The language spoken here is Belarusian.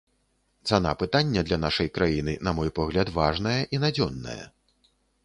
Цана пытання для нашай краіны, на мой погляд, важная і надзённая.